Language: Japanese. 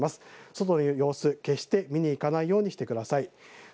外の様子を決して見にいかないようにしてください。